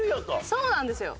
そうなんですよ。